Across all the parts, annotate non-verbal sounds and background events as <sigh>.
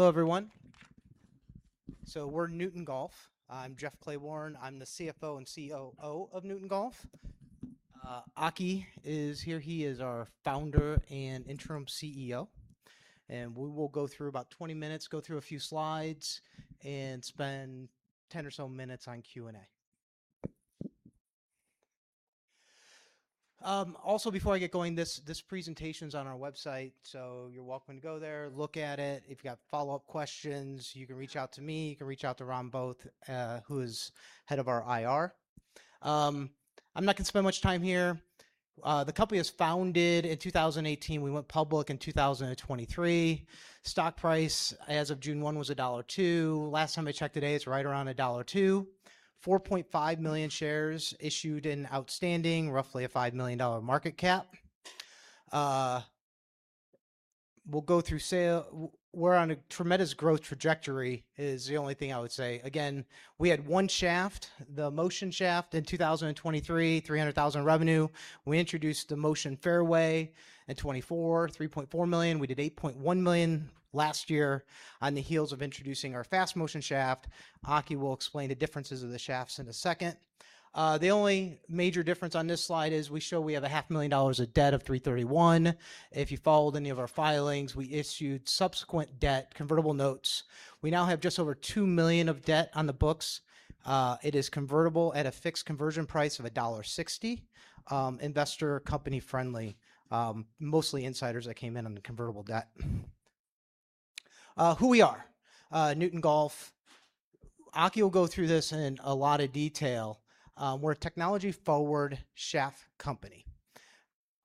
Hello, everyone. We're Newton Golf. I'm Jeff Clayborne. I'm the CFO and COO of Newton Golf. Aki is here. He is our Founder and Interim CEO. We will go through about 20 minutes, go through a few slides, and spend 10 or so minutes on Q&A. Also, before I get going, this presentation's on our website, so you're welcome to go there, look at it. If you've got follow-up questions, you can reach out to me, you can reach out to Ron Both, who is head of our IR. I'm not going to spend much time here. The company was founded in 2018. We went public in 2023. Stock price as of June 1 was $1.02. Last time I checked today, it's right around $1.02. 4.5 million shares issued and outstanding, roughly a $5 million market cap. We'll go through sale. We're on a tremendous growth trajectory is the only thing I would say. Again, we had one shaft, the Motion shaft in 2023, $300,000 revenue. We introduced the Motion Fairway in 2024, $3.4 million. We did $8.1 million last year on the heels of introducing our Fast Motion shaft. Aki will explain the differences of the shafts in a second. The only major difference on this slide is we show we have a $500,000 of debt of 331. If you followed any of our filings, we issued subsequent debt convertible notes. We now have just over $2 million of debt on the books. It is convertible at a fixed conversion price of $1.60. Investor, company friendly. Mostly insiders that came in on the convertible debt. Who we are. Newton Golf. Aki will go through this in a lot of detail. We're a technology forward shaft company.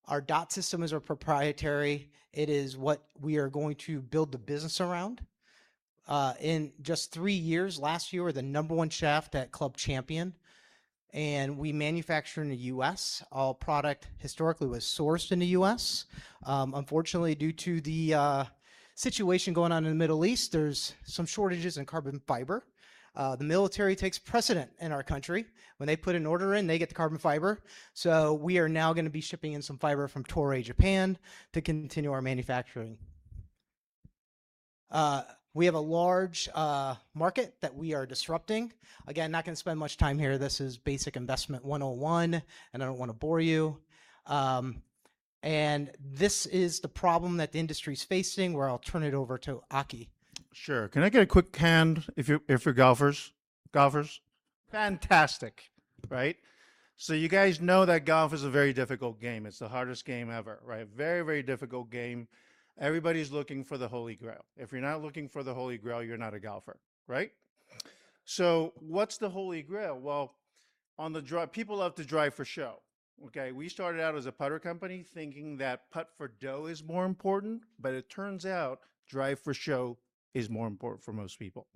Our Dot System is our proprietary. It is what we are going to build the business around. In just three years, last year, we were the number one shaft at Club Champion, and we manufacture in the U.S. All product historically was sourced in the U.S. Unfortunately, due to the situation going on in the Middle East, there's some shortages in carbon fiber. The military takes precedent in our country. When they put an order in, they get the carbon fiber. We are now going to be shipping in some fiber from Toray, Japan, to continue our manufacturing. We have a large market that we are disrupting. Again, not going to spend much time here. This is basic investment 101. I don't want to bore you. This is the problem that the industry's facing, where I'll turn it over to Aki. Sure. Can I get a quick hand if you're golfers? Fantastic. Right? You guys know that golf is a very difficult game. It's the hardest game ever, right? Very, very difficult game. Everybody's looking for the Holy Grail. If you're not looking for the Holy Grail, you're not a golfer. Right? What's the Holy Grail? Well, people love to drive for show. Okay? We started out as a putter company thinking that putt for dough is more important, but it turns out drive for show is more important for most people.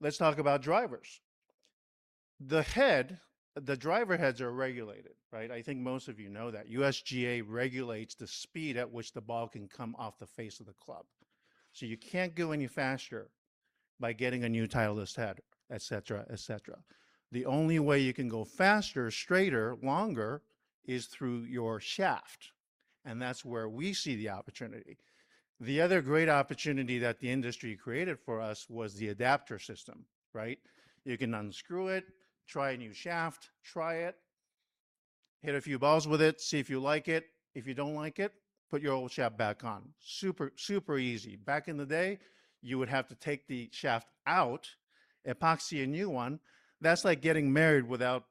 Let's talk about drivers. The head or the driver heads are regulated, right? I think most of you know that. USGA regulates the speed at which the ball can come off the face of the club. You can't go any faster by getting a new Titleist head, et cetera, et cetera. The only way you can go faster, straighter, longer is through your shaft. That's where we see the opportunity. The other great opportunity that the industry created for us was the adapter system, right? You can unscrew it, try a new shaft, try it, hit a few balls with it, see if you like it. If you don't like it, put your old shaft back on. Super easy. Back in the day, you would have to take the shaft out, epoxy a new one. That's like getting married without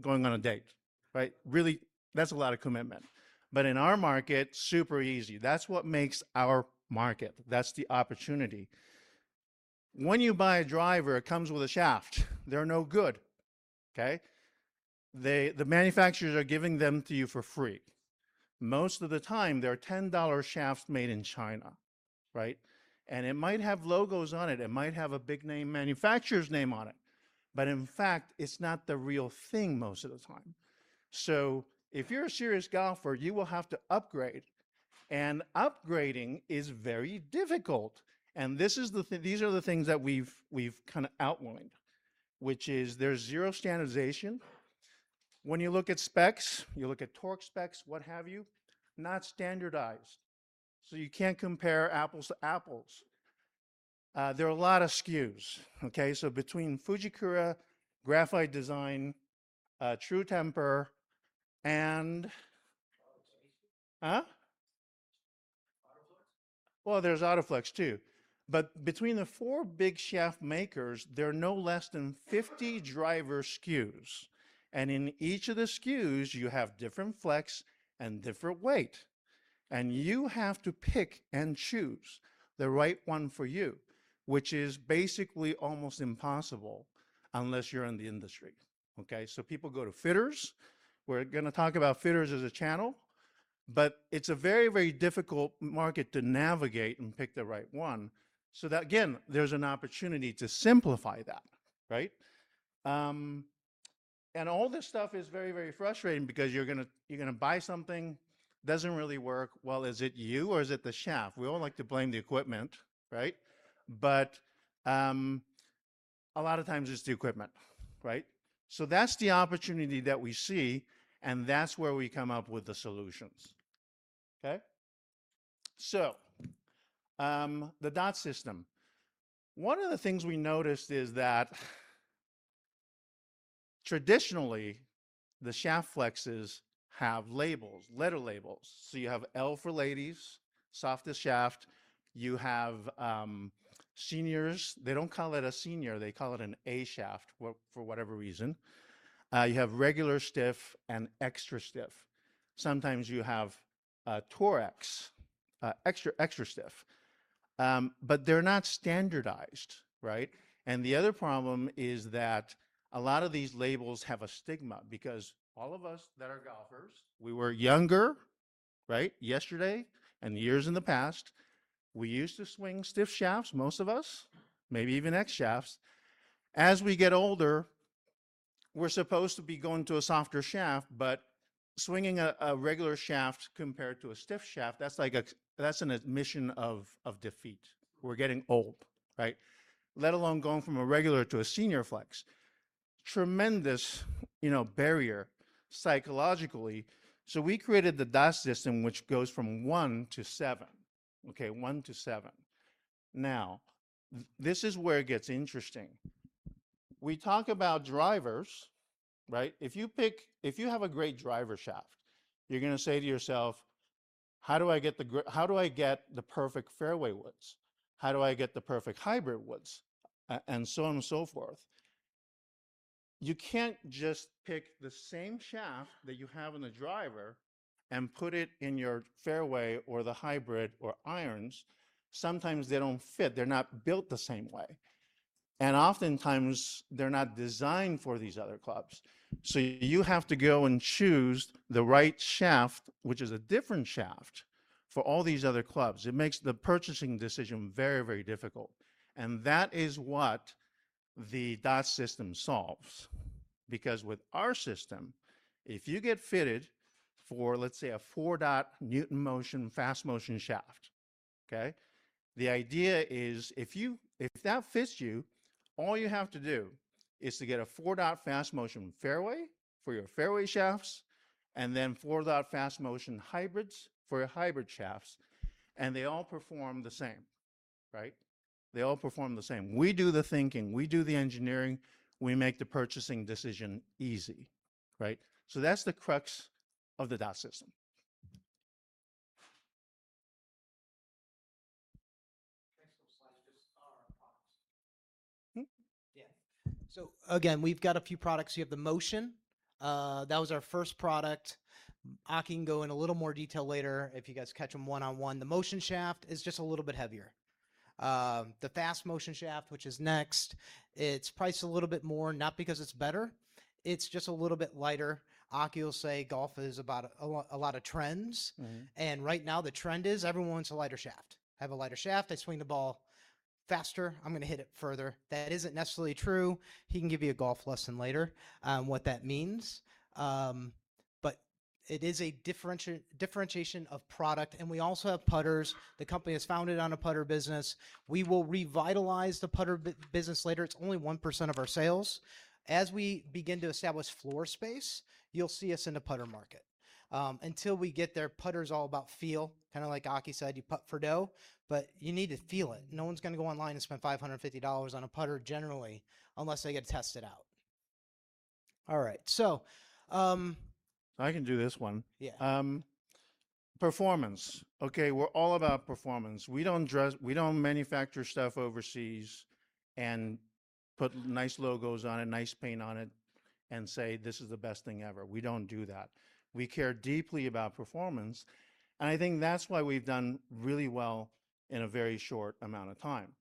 going on a date, right? Really, that's a lot of commitment. But in our market, super easy. That's what makes our market. That's the opportunity. When you buy a driver, it comes with a shaft. They're no good, okay? The manufacturers are giving them to you for free. Most of the time, they're $10 shafts made in China, right? It might have logos on it. It might have a big-name manufacturer's name on it, but in fact, it's not the real thing most of the time. If you're a serious golfer, you will have to upgrade, and upgrading is very difficult. These are the things that we've kind of outlined, which is there's zero standardization. When you look at specs, you look at torque specs, what have you, not standardized, so you can't compare apples to apples. There are a lot of SKUs. Okay? Between Fujikura, Graphite Design, True Temper, and. Autoflex. Huh? Autoflex. Well, there's Autoflex too. But between the four big shaft makers, there are no less than 50 driver SKUs, and in each of the SKUs, you have different flex and different weight. You have to pick and choose the right one for you, which is basically almost impossible unless you're in the industry, okay? People go to fitters, we're going to talk about fitters as a channel, but it's a very, very difficult market to navigate and pick the right one. Again, there's an opportunity to simplify that, right? All this stuff is very, very frustrating because you're going to buy something, doesn't really work. Well, is it you or is it the shaft? We all like to blame the equipment, right? A lot of times it's the equipment. That's the opportunity that we see, and that's where we come up with the solutions. Okay? The Dot System. One of the things we noticed is that traditionally, the shaft flexes have labels, letter labels. You have L for ladies, softest shaft. You have seniors, they don't call it a senior, they call it an A shaft, for whatever reason. You have regular stiff and extra stiff. Sometimes you have Tour X, extra stiff. They're not standardized, right? The other problem is that a lot of these labels have a stigma because all of us that are golfers, we were younger, yesterday and years in the past. We used to swing stiff shafts, most of us, maybe even X shafts. As we get older, we're supposed to be going to a softer shaft, but swinging a regular shaft compared to a stiff shaft, that's like an admission of defeat. We're getting old, right? Let alone going from a regular to a senior flex. Tremendous barrier psychologically, so we created the Dot System, which goes from one to seven. Okay. One to seven. Now, this is where it gets interesting. We talk about drivers. If you have a great driver shaft, you're going to say to yourself, "How do I get the perfect fairway woods? How do I get the perfect hybrid woods?" And so on and so forth. You can't just pick the same shaft that you have in a driver and put it in your fairway or the hybrid or irons. Sometimes, they don't fit. They're not built the same way. Oftentimes, they're not designed for these other clubs. You have to go and choose the right shaft, which is a different shaft, for all these other clubs. It makes the purchasing decision very, very difficult. And that is what the Dot System solves. With our system, if you get fitted for, let's say, a 4-Dot Newton Motion Fast Motion shaft, the idea is, if that fits you, all you have to do is to get a 4-Dot Fast Motion Fairway for your fairway shafts, and then 4-Dot Fast Motion Hybrids for your hybrid shafts, and they all perform the same. They all perform the same. We do the thinking, we do the engineering, we make the purchasing decision easy. That's the crux of the Dot System. <audio distortion> Yeah. Again, we've got a few products. You have the Motion. That was our first product. Aki can go in a little more detail later if you guys catch him one-on-one. The Motion shaft is just a little bit heavier. The Fast Motion shaft, which is next, it's priced a little bit more, not because it's better, it's just a little bit lighter. Aki will say golf is about a lot of trends. Right now, the trend is everyone wants a lighter shaft. Have a lighter shaft, they swing the ball faster, I'm going to hit it further. That isn't necessarily true, he can give you a golf lesson later on what that means, but it is a differentiation of product. We also have putters. The company is founded on a putter business. We will revitalize the putter business later. It's only 1% of our sales. As we begin to establish floor space, you'll see us in the putter market. Until we get there, putter's all about feel, and like Aki said, you putt for dough, but you need to feel it. No one's going to go online and spend $550 on a putter generally, unless they get to test it out. All right. I can do this one. Yeah. Performance. Okay, we're all about performance. We don't manufacture stuff overseas and put nice logos on it, nice paint on it, and say, "This is the best thing ever." We don't do that. We care deeply about performance, and I think that's why we've done really well in a very short amount of time.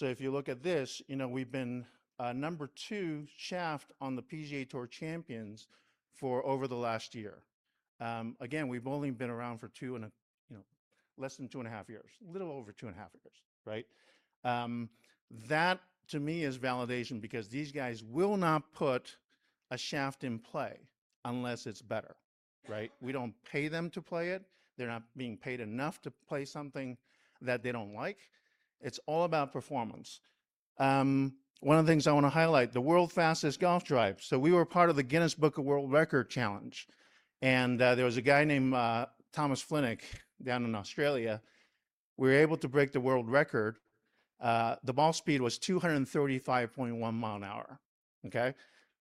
If you look at this, we've been number two shaft on the PGA TOUR Champions for over the last year. Again, we've only been around for less than two and a half years. A little over two and a half years. That to me is validation because these guys will not put a shaft in play unless it's better. We don't pay them to play it. They're not being paid enough to play something that they don't like. It's all about performance. One of the things I want to highlight. The world's fastest golf drive. We were part of the Guinness World Records challenge, and there was a guy named Thomas Fliniks down in Australia, we were able to break the world record. The ball speed was 235.1 mph.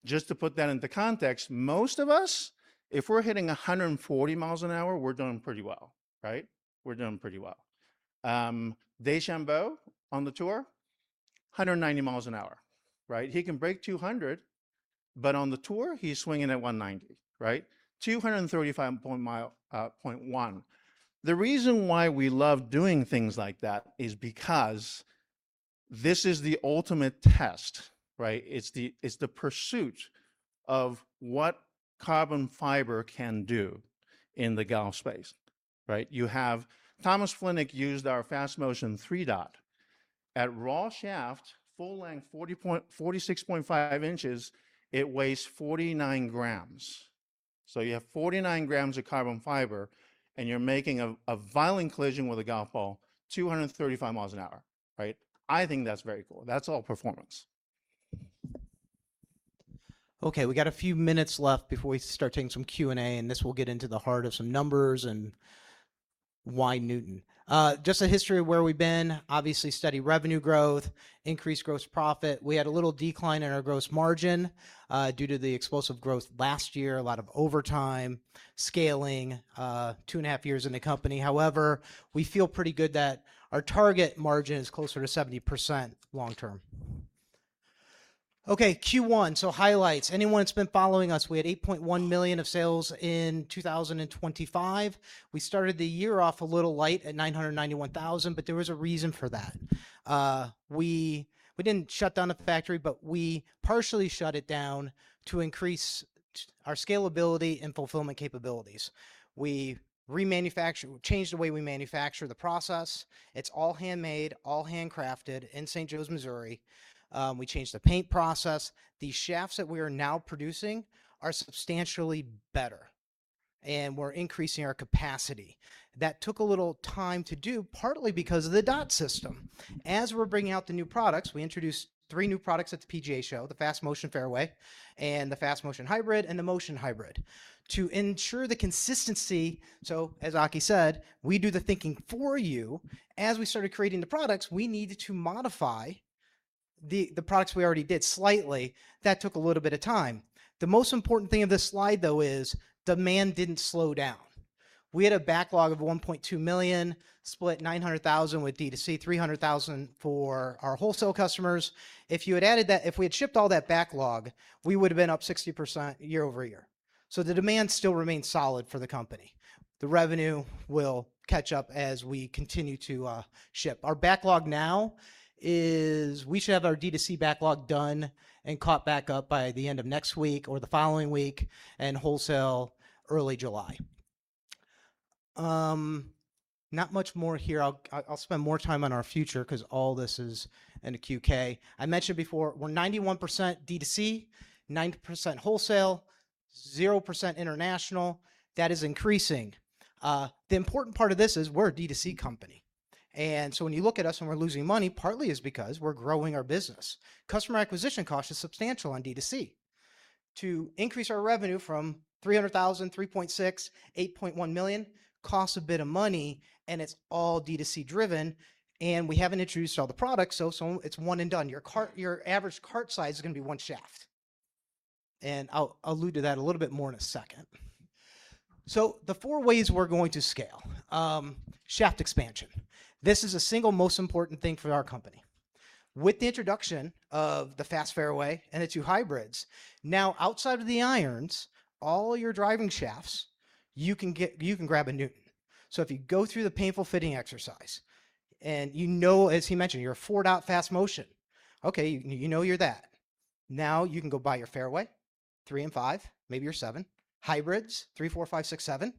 Just to put that into context, most of us, if we're hitting 140 mph, we're doing pretty well, right? We're doing pretty well. DeChambeau on the tour, 190 mph. He can break 200 mph, but on the tour, he's swinging at 190 mph. Right? 235.1 mph. The reason why we love doing things like that is because this is the ultimate test. It's the pursuit of what carbon fiber can do in the golf space. Thomas Fliniks used our Fast Motion 3-Dot. At raw shaft, full length, 46.5 in, it weighs 49 g. You have 49 g of carbon fiber, and you're making a violent collision with a golf ball 235 mph. Right? I think that's very cool. That's all performance. Okay. We got a few minutes left before we start taking some Q&A, and this will get into the heart of some numbers and why Newton. Just a history of where we've been. Obviously, steady revenue growth, increased gross profit. We had a little decline in our gross margin due to the explosive growth last year, a lot of overtime, scaling, two and a half years in the company. However, we feel pretty good that our target margin is closer to 70% long term. Okay, Q1, so highlights. Anyone that's been following us, we had $8.1 million of sales in 2025. We started the year off a little light at $991,000, but there was a reason for that. We didn't shut down the factory, but we partially shut it down to increase our scalability and fulfillment capabilities. We changed the way we manufacture the process. It's all handmade, all handcrafted in Saint Joseph, Missouri. We changed the paint process. The shafts that we are now producing are substantially better, and we're increasing our capacity. That took a little time to do, partly because of the Dot System. As we're bringing out the new products, we introduced three new products at the PGA Show, the Fast Motion Fairway and the Fast Motion Hybrid and the Motion Hybrid. To ensure the consistency, so, as Aki said, we do the thinking for you, as we started creating the products, we needed to modify the products we already did slightly. That took a little bit of time. The most important thing of this slide, though, is demand didn't slow down. We had a backlog of $1.2 million, split $900,000 with D2C, $300,000 for our wholesale customers. If you had added that, if we had shipped all that backlog, we would've been up 60% year-over-year. The demand still remains solid for the company. The revenue will catch up as we continue to ship. Our backlog now is, we should have our D2C backlog done and caught back up by the end of next week or the following week, and wholesale early July. Not much more here. I'll spend more time on our future because all this is in the Q, K. I mentioned before, we're 91% D2C, 9% wholesale, 0% international. That is increasing. The important part of this is we're a D2C company, and so, when you look at us when we're losing money, partly is because we're growing our business. Customer acquisition cost is substantial on D2C. To increase our revenue from $300,000, $3.6 million, $8.1 million costs a bit of money, and it's all D2C-driven, and we haven't introduced all the products, so it's one and done. Your average cart size is going to be one shaft, and I'll allude to that a little bit more in a second. The four ways we're going to scale. Shaft expansion. This is the single most important thing for our company. With the introduction of the Fast Fairway and the two hybrids, now outside of the irons, all your driving shafts, you can grab a Newton. If you go through the painful fitting exercise and you know, as he mentioned, you're a 4-Dot Fast Motion, okay, you know you're that, now, you can go buy your fairway, three and five, maybe your seven. Hybrids, three, four, five, six, seven.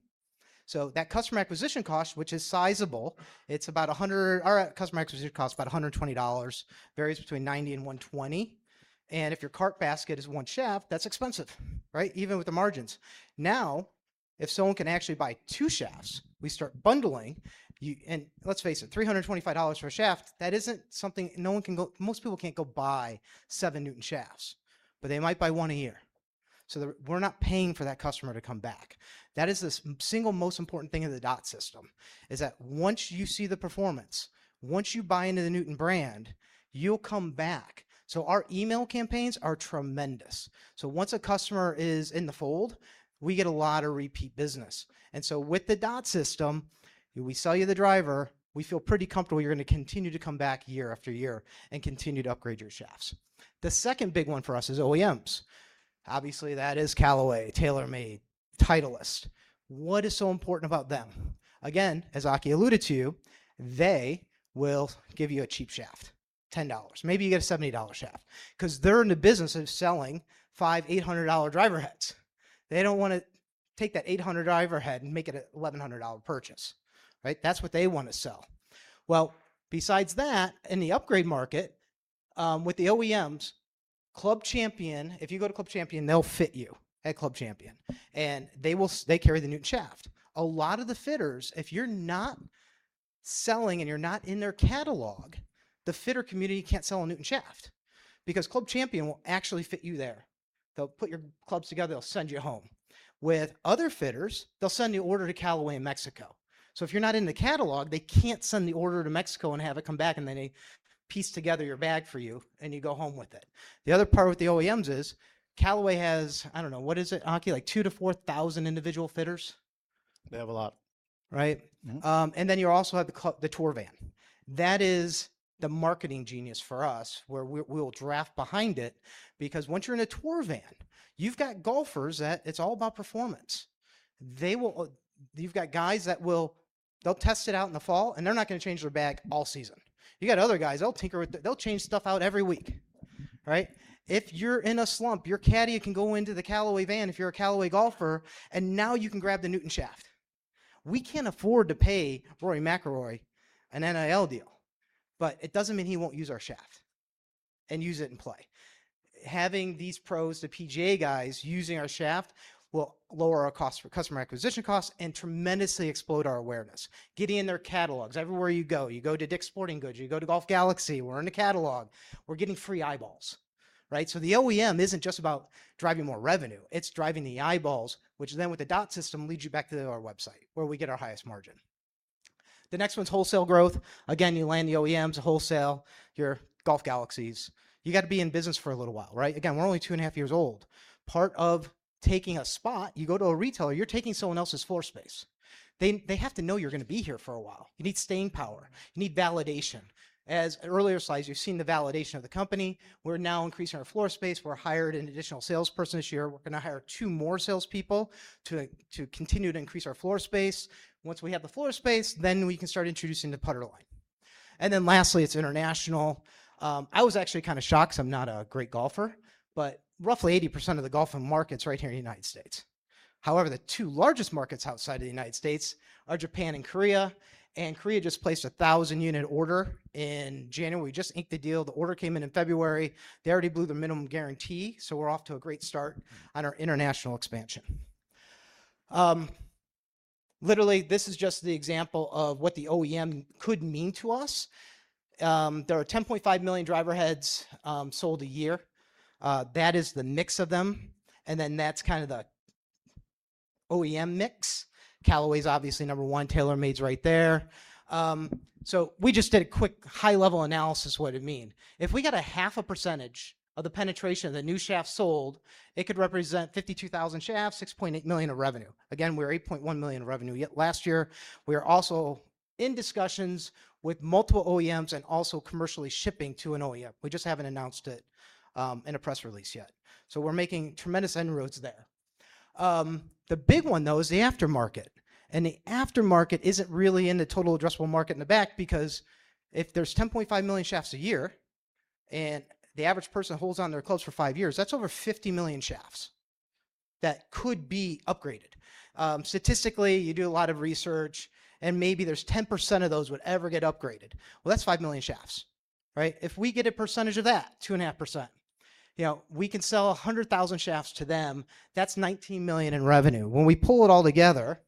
That customer acquisition cost, which is sizable, our customer acquisition cost is about $120, varies between $90 and $120. If your cart basket is one shaft, that's expensive, right? Even with the margins. Now, if someone can actually buy two shafts, we start bundling. Let's face it, $325 for a shaft, that isn't something, most people can't go buy seven Newton shafts, but they might buy one a year. We're not paying for that customer to come back. That is the single most important thing in the Dot System is that once you see the performance, once you buy into the Newton brand, you'll come back. Our email campaigns are tremendous. Once a customer is in the fold, we get a lot of repeat business. With the Dot System, we sell you the driver, we feel pretty comfortable you're going to continue to come back year after year and continue to upgrade your shafts. The second big one for us is OEMs. Obviously, that is Callaway, TaylorMade, Titleist. What is so important about them? Again, as Aki alluded to, they will give you a cheap shaft, $10. Maybe you get a $70 shaft because they're in the business of selling five $800 driver heads. They don't want to take that $800 driver head and make it an $1,100 purchase, right? That's what they want to sell. Besides that, in the upgrade market, with the OEMs, if you go to Club Champion, they'll fit you at Club Champion. They carry the Newton shaft. A lot of the fitters, if you're not selling and you're not in their catalog, the fitter community can't sell a Newton shaft because Club Champion will actually fit you there. They'll put your clubs together, they'll send you home. With other fitters, they'll send the order to Callaway in Mexico. If you're not in the catalog, they can't send the order to Mexico and have it come back, and then they piece together your bag for you, and you go home with it. The other part with the OEMs is Callaway has, I don't know, what is it, Aki? Like 2,000 to 4,000 individual fitters? They have a lot. Right? You also have the tour van. That is the marketing genius for us, where we'll draft behind it because once you're in a tour van, you've got golfers that it's all about performance. You've got guys that they'll test it out in the fall, and they're not going to change their bag all season. You got other guys, they'll tinker with it. They'll change stuff out every week, right? If you're in a slump, your caddy can go into the Callaway van if you're a Callaway golfer, and now you can grab the Newton shaft. We can't afford to pay Rory McIlroy an NIL deal, but it doesn't mean he won't use our shaft. He'll use it in play. Having these pros, the PGA guys, using our shaft will lower our customer acquisition costs and tremendously explode our awareness. Get in their catalogs. Everywhere you go, you go to DICK'S Sporting Goods, you go to Golf Galaxy, we're in the catalog. We're getting free eyeballs, right? The OEM isn't just about driving more revenue, it's driving the eyeballs, which with the Dot System, leads you back to our website where we get our highest margin. The next one's wholesale growth. Again, you land the OEMs, the wholesale, your Golf Galaxies. You got to be in business for a little while, right? Again, we're only two and a half years old. Part of taking a spot, you go to a retailer, you're taking someone else's floor space. They have to know you're going to be here for a while. You need staying power. You need validation. As earlier slides, you've seen the validation of the company. We're now increasing our floor space. We hired an additional salesperson this year. We're going to hire two more salespeople to continue to increase our floor space. Once we have the floor space, then we can start introducing the putter line. Lastly, it's international. I was actually kind of shocked because I'm not a great golfer, but roughly 80% of the golfing market's right here in the United States. However, the two largest markets outside of the United States are Japan and Korea. Korea just placed a 1,000-unit order in January. We just inked the deal. The order came in in February. They already blew the minimum guarantee, so we're off to a great start on our international expansion. Literally, this is just the example of what the OEM could mean to us. There are 10.5 million driver heads sold a year. That is the mix of them, and then that's kind of the OEM mix. Callaway's obviously number one. TaylorMade's right there. We just did a quick high-level analysis what it'd mean. If we got a half a percentage of the penetration of the new shafts sold, it could represent 52,000 shafts, $6.8 million of revenue. Again, we're $8.1 million in revenue last year. We are also in discussions with multiple OEMs and also commercially shipping to an OEM. We just haven't announced it in a press release yet. We're making tremendous inroads there. The big one, though, is the aftermarket. The aftermarket isn't really in the total addressable market in the back because if there's 10.5 million shafts a year, the average person holds onto their clubs for five years, that's over 50 million shafts that could be upgraded. Statistically, you do a lot of research, maybe there's 10% of those would ever get upgraded. That's five million shafts, right? If we get a percentage of that, 2.5%, we can sell 100,000 shafts to them. That's $19 million in revenue. When we pull it all together,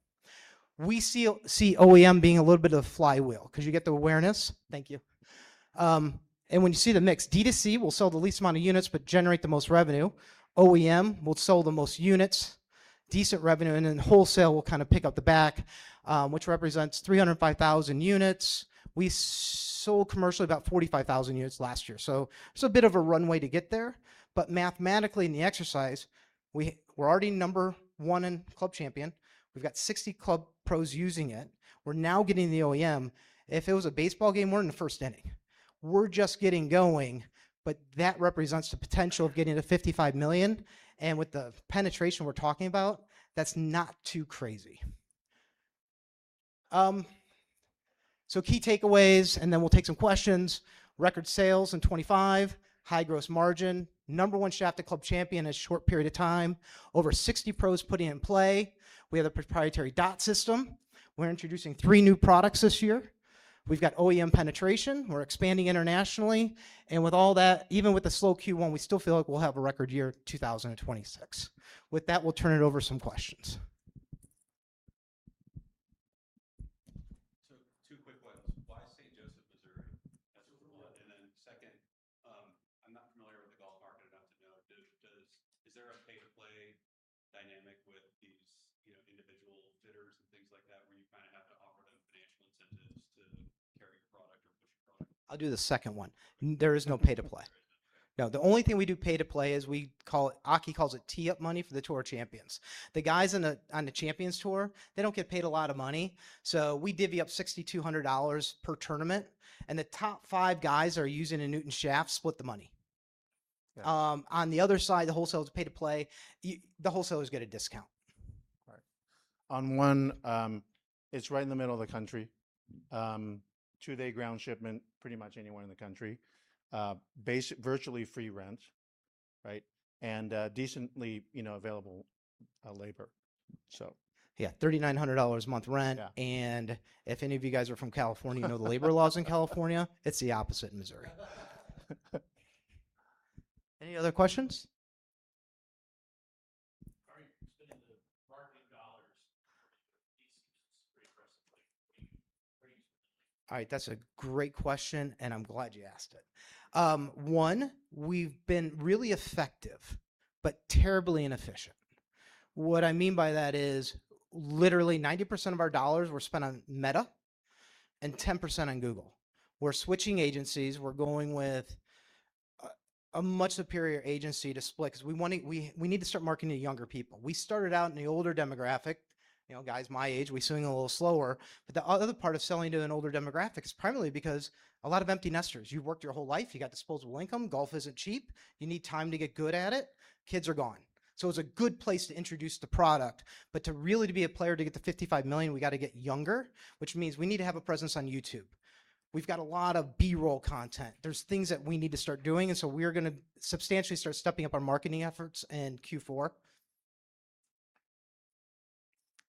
we see OEM being a little bit of a flywheel because you get the awareness. Thank you. When you see the mix, D2C will sell the least amount of units but generate the most revenue. OEM will sell the most units, decent revenue, and then wholesale will kind of pick up the back, which represents 305,000 units. We sold commercially about 45,000 units last year. There's a bit of a runway to get there, but mathematically in the exercise, we're already number one in Club Champion. We've got 60 club pros using it. We're now getting the OEM. If it was a baseball game, we're in the first inning. We're just getting going, but that represents the potential of getting to $55 million. With the penetration we're talking about, that's not too crazy. Key takeaways and then we'll take some questions. Record sales in 2025. High gross margin. Number one shaft at Club Champion in a short period of time. Over 60 pros put it in play. We have the proprietary Dot System. We're introducing three new products this year. We've got OEM penetration. We're expanding internationally. With all that, even with a slow Q1, we still feel like we'll have a record year 2026. With that, we'll turn it over to some questions. Two quick ones. Why Saint Joseph, Missouri? That's number one. Then second, I'm not familiar with the golf market enough to know. Is there a pay-to-play dynamic with these individual fitters and things like that where you kind of have to offer them financial incentives to carry your product or push your product? I'll do the second one. There is no pay to play. No. The only thing we do pay to play is we call it, Aki calls it tee up money for the Tour Champions. The guys on the Champions Tour, they don't get paid a lot of money, so we divvy up $6,200 per tournament, and the top five guys are using a Newton shaft, split the money. Yeah. On the other side, the wholesalers pay to play, the wholesalers get a discount. Right. On one, it's right in the middle of the country. Two-day ground shipment pretty much anywhere in the country. Virtually free rent, right, and decently available labor. Yeah. $3,900 a month rent. Yeah. If any of you guys are from California, you know the labor laws in California, it's the opposite in Missouri. Any other questions? How are you spending the marketing dollars? These numbers are pretty impressive. Where are you spending? All right. That's a great question and I'm glad you asked it. One. We've been really effective, but terribly inefficient. What I mean by that is literally, 90% of our dollars were spent on Meta and 10% on Google. We're switching agencies. We're going with a much superior agency to split because we need to start marketing to younger people. We started out in the older demographic. Guys my age, we swing a little slower. The other part of selling to an older demographic is primarily because a lot of empty nesters. You've worked your whole life. You got disposable income. Golf isn't cheap. You need time to get good at it. Kids are gone. It's a good place to introduce the product. But to really to be a player to get to $55 million, we got to get younger, which means we need to have a presence on YouTube. We've got a lot of B-roll content. There's things that we need to start doing, so we're going to substantially start stepping up our marketing efforts in Q4.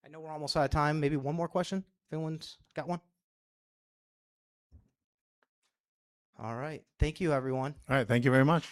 I know we're almost out of time. Maybe one more question? Anyone's got one? All right. Thank you, everyone. All right. Thank you very much.